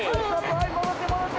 ◆はい、戻って戻って。